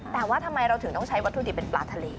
แต่ว่าทำไมเราถึงต้องใช้วัตถุดิบเป็นปลาทะเล